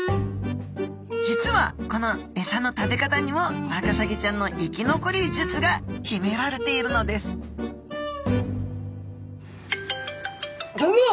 実はこのエサの食べ方にもワカサギちゃんの生き残り術がひめられているのですギョギョッ！